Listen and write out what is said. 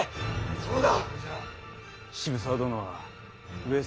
そうだ。